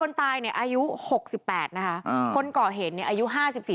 คนตายเนี่ยอายุหกสิบแปดนะคะอืมคนก่อเหตุเนี่ยอายุห้าสิบสี่